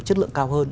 chất lượng cao hơn